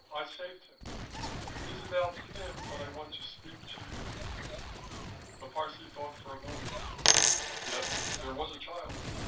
I saved him. It is about him that I want to speak to you." The Parsee thought for a moment. "Yes, there was a child.